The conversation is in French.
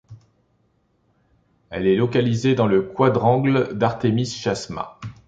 Elle est localisée dans le quadrangle d'Artemis Chasma.